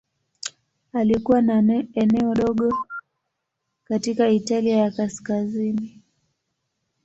Alikuwa na eneo dogo katika Italia ya Kaskazini.